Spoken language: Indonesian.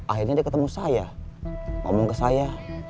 akhirnya dia ketemu saya ngomong ke saya